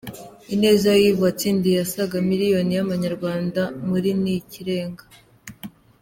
Ineza Yves watsindiye asaga miliyoni y'amanyarwanda muri Ni Ikirenga.